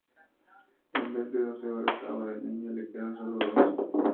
En vez de doce horas, ahora al niño le quedan solo dos.